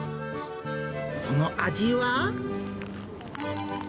その味は？